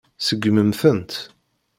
Seggmen-tent.